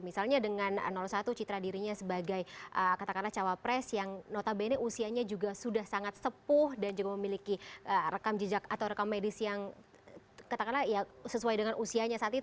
misalnya dengan satu citra dirinya sebagai katakanlah cawapres yang notabene usianya juga sudah sangat sepuh dan juga memiliki rekam jejak atau rekam medis yang katakanlah ya sesuai dengan usianya saat itu